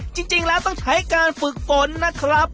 จริงแล้วต้องใช้การฝึกฝนนะครับ